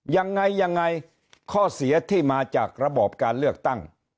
ยังไงยังไงข้อเสียที่มาจากระบอบการเลือกตั้ง